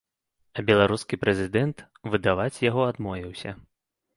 А беларускі прэзідэнт выдаваць яго адмовіўся.